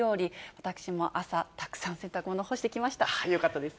私も朝、たくさん洗濯物、干してよかったです。